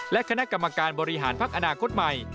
และคณะกรรมการบริหารพักอนาคตใหม่